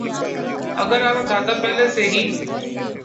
اگر آپ کا کھاتہ پہلے سے ہے